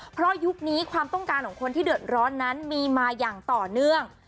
เพราะยุคนี้ความต้องการของคนที่เดือดร้อนนั้นมีมาอย่างต่อเนื่อง